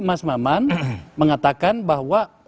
mas maman mengatakan bahwa